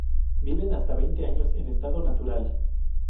Viven hasta veinte años en estado natural.